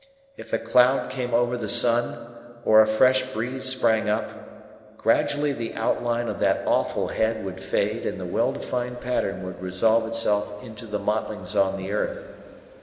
If a cloud came over the sun, or a fresh breeze sprang up, gradually the outline of that awful head would fade and the well defined pattern would resolve itself into the motlings on the earth.